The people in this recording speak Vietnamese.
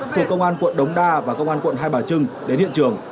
thuộc công an quận đống đa và công an quận hai bà trưng đến hiện trường